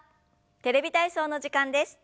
「テレビ体操」の時間です。